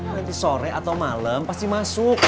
nanti sore atau malam pasti masuk